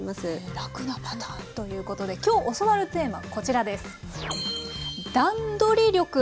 楽なパターンということで今日教わるテーマこちらです。